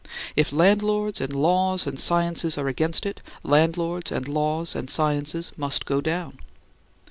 If landlords and laws and sciences are against it, landlords and laws and sciences must go down.